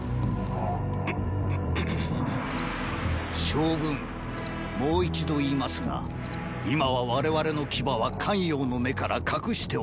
将軍もう一度言いますが今は我々の牙は咸陽の目から隠しておく時です。